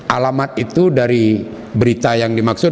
alamat itu dari berita yang dimaksud